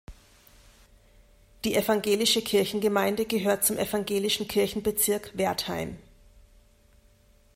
Die evangelische Kirchengemeinde gehört zum Evangelischen Kirchenbezirk Wertheim.